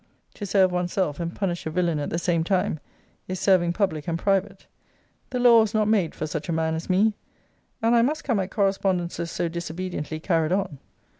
To serve one's self, and punish a villain at the same time, is serving public and private. The law was not made for such a man as me. And I must come at correspondences so disobediently carried on.